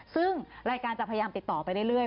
ซึ่งรายการจะพยายามติดต่อไปเรื่อย